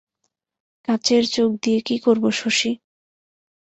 কাচের চোখ দিয়ে কী করব শশী!